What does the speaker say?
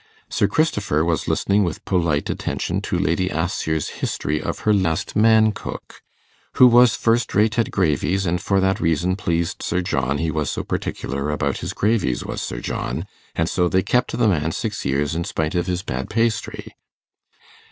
Sir Christopher was listening with polite attention to Lady Assher's history of her last man cook, who was first rate at gravies, and for that reason pleased Sir John he was so particular about his gravies, was Sir John: and so they kept the man six years in spite of his bad pastry.